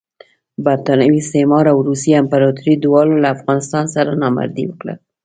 برټانوي استعمار او روسي امپراطوري دواړو له افغانستان سره نامردي وکړه.